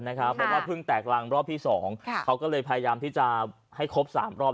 เพราะว่าเพิ่งแตกรังรอบที่๒เขาก็เลยพยายามที่จะให้ครบ๓รอบ